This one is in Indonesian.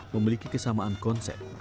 memiliki kesamaan konsep